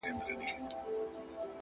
هره ورځ د ځان د اصلاح فرصت دی,